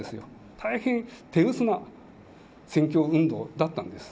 大変手薄な選挙運動だったんです。